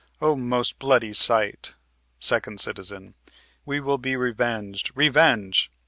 O most bloody sight! 2 Cit. We will be revenged; revenge!